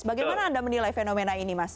bagaimana anda menilai fenomena ini mas